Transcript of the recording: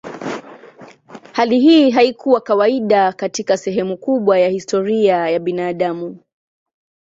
Hali hii haikuwa kawaida katika sehemu kubwa ya historia ya binadamu.